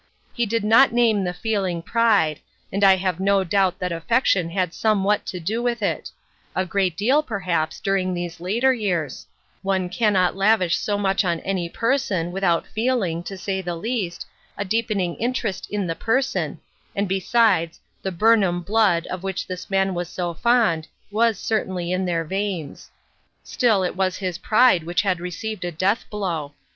He did not name the feeling pride, and I have no doubt that affection had somewhat to do with it ; a great deal, perhaps, during these later years ; one cannot lavish so much on any person, without feeling, to say the least, a deepening interest in the person, and besides, the " Burnham blood " of which this man was so fond, was certainly in their veins. Still it was his pride which had received a death blow.